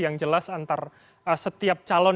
yang jelas antar setiap calon